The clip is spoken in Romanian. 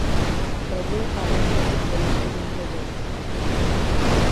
Trebuie să avem și aceste lucruri în vedere.